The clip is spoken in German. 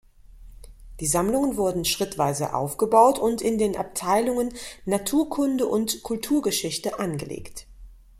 Die Sammlungen wurden schrittweise aufgebaut und in den Abteilungen Naturkunde und Kulturgeschichte angelegt.